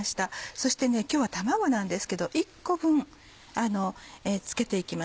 そして今日は卵なんですけど１個分付けていきます。